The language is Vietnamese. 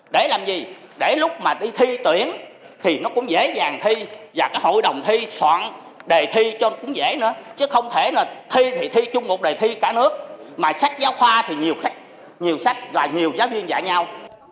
để làm gì để lúc mà đi thi tuyển thì nó cũng dễ dàng thi và cái hội đồng thi soạn đề thi cho nó cũng dễ nữa chứ không thể là thi thì thi chung một đề thi cả nước mà sách giáo khoa thì nhiều sách và nhiều giáo viên dạy nhau